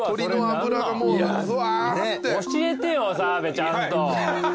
教えてよ澤部ちゃんと。